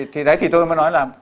thì đấy thì tôi mới nói là